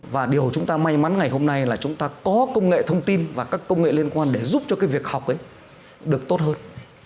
và điều chúng ta may mắn ngày hôm nay là chúng ta có công nghệ thông tin và các công nghệ liên quan để giúp cho cái việc học ấy được tốt hơn